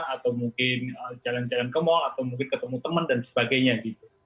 atau mungkin jalan jalan ke mal atau mungkin ketemu teman dan sebagainya gitu